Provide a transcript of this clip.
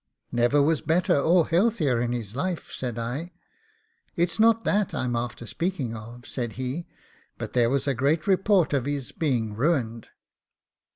'Never was better or heartier in his life,' said I. 'It's not that I'm after speaking of' said he; 'but there was a great report of his being ruined.